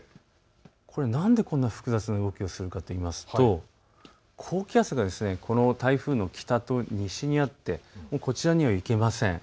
なんでこんな複雑な動きをするかというと高気圧が台風の北と西にあってこちらには行けません。